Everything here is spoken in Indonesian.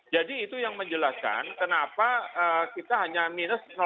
jadi itu yang menjelaskan kenapa kita hanya minus tujuh puluh empat